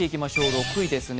６位ですね。